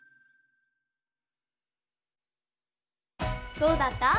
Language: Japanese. どうだった？